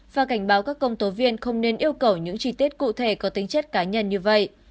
và cảnh báo các công tố viên không nên yêu cầu những chi tiết cụ thể có tính chất cá nhân như vậy